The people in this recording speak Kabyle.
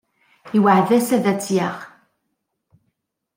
Iweɛɛed-as ad tt-yaɣ.